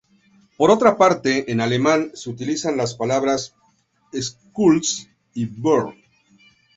Por otra parte, en alemán se utilizan las palabras "Schloss" y "Burg".